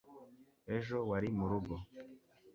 ejo wari murugo